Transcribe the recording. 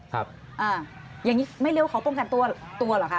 อย่างนี้ไม่เรียกว่าเขาป้องกันตัวตัวเหรอคะ